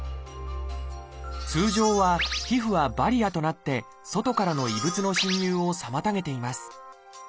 通常は皮膚はバリアとなって外からの異物の侵入を妨げています。